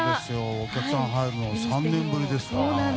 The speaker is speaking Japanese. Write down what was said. お客さん入るの３年ぶりですか。